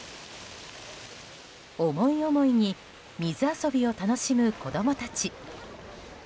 思い思いに水遊びを楽しむ子供たち。